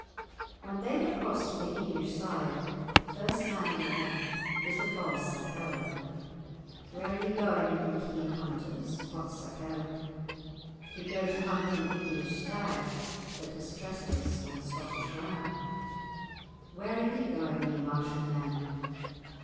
When they had crossed to the English side, the first man they met was the false Sakelde. "Where are ye going, ye keen hunters?" quoth Sakelde. "We go to hunt an English stag that has trespassed on Scottish ground." "Where are ye going, ye martial men?"